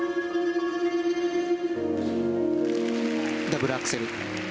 ダブルアクセル。